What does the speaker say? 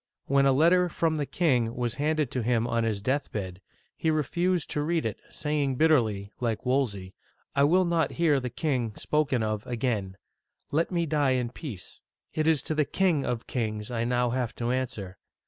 When a letter from the king was handed to him on his death bed, he refused to read it, saying bitterly, Digitized by Google 344 OLD FRANCE like Wokey:^ " I will not hear the king spoken of again. Let me die in peace. It is to the King of Kings I now have to answer.